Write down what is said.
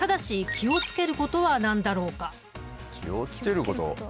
気を付けること？